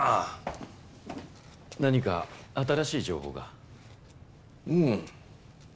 何か新しい情報が？